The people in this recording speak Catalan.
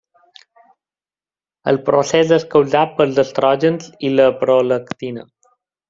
El procés és causat pels estrògens i la prolactina.